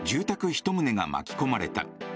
１棟が巻き込まれた。